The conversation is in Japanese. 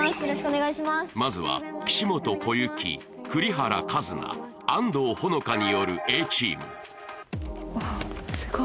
まずは岸本小雪栗原一菜安藤帆花によるＡチーム